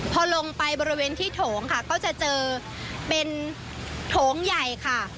พอลงไปบริเวณที่โถงค่ะก็จะเจอเป็นโถงใหญ่ค่ะ